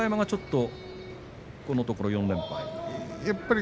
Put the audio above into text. ちょっとこのところ４連敗ですね。